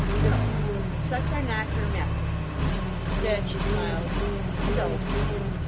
No. "Such are not her methods." Instead she smiles: "indulgently."